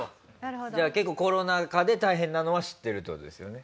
じゃあ結構コロナ禍で大変なのは知ってるって事ですよね？